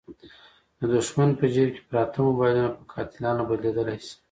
د دوښمن په جیب کې پراته موبایلونه په قاتلانو بدلېدلای شي.